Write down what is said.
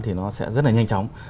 thì nó sẽ rất là nhanh chóng